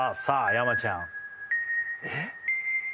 山ちゃんえっ？